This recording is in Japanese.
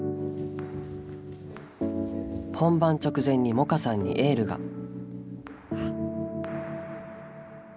本番直前に百花さんにエールが。